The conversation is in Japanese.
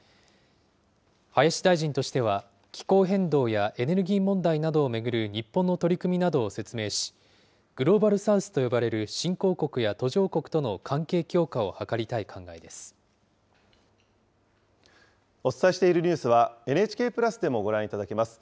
林大臣としては、気候変動やエネルギー問題などを巡る日本の取り組みなどを説明し、グローバル・サウスと呼ばれる新興国や途上国との関係強化を図りお伝えしているニュースは、ＮＨＫプラスでもご覧いただけます。